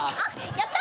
やった！